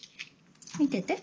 見てて。